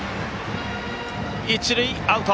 一塁アウト。